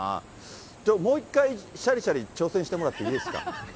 でももう一回、しゃりしゃり、挑戦してもらっていいですか。